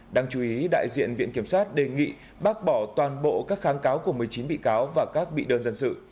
đáng chú ý đại diện viện kiểm sát đề nghị bác bỏ toàn bộ các kháng cáo của một mươi chín bị cáo và các bị đơn dân sự